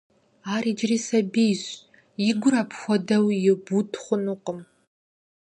Ар иджыри сабийщ, и гур апхуэдэу ибуд хъунукъым.